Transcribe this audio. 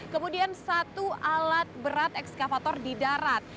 kemudian satu alat berat ekskavator di darat